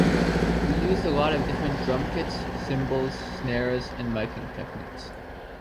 We used a lot of different drum kits, cymbals, snares, and miking techniques.